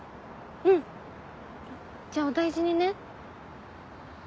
うんじゃあお大事にね。